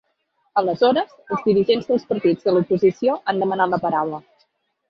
Aleshores, els dirigents dels partits de l’oposició han demanat la paraula.